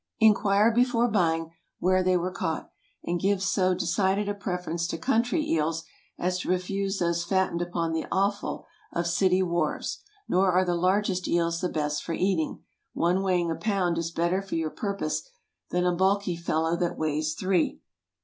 ✠ Inquire, before buying, where they were caught, and give so decided a preference to country eels as to refuse those fattened upon the offal of city wharves. Nor are the largest eels the best for eating. One weighing a pound is better for your purpose than a bulky fellow that weighs three.